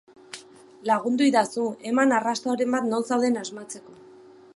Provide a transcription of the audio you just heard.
Lagunduidazu, eman arrastoren bat non zauden asmatzeko.